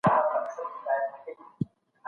خلک زعفران په خوړو کې د ښه خوند لپاره کاروي.